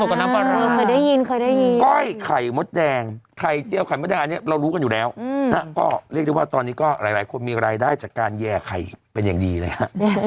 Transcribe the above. ก้อยไข่มดแดงอันนี้เรารู้กันอยู่แล้วเรียกได้ว่าตอนนี้ก็หลายคนมีรายได้จากการแย่ไข่เป็นอย่างดีเลยฮะ